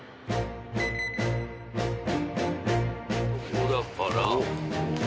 ここだから。